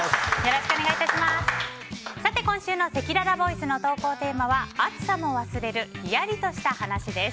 今週のせきららボイスの投稿テーマは暑さも忘れるヒヤリとした話です。